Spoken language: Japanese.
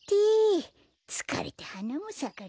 つかれてはなもさかないよ。